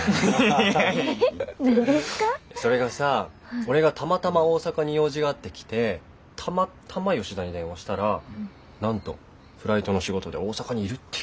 それがさ俺がたまたま大阪に用事があって来てたまたま吉田に電話したらなんとフライトの仕事で大阪にいるっていうじゃない。